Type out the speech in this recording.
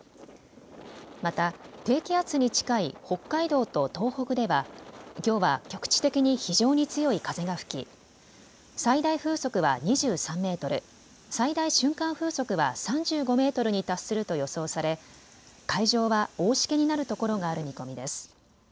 また低気圧に近い北海道と東北ではきょうは局地的に非常に強い風が吹き、最大風速は２３メートル、最大瞬間風速は３５メートルに達すると予想され海上は大しけになるところがある見込みです。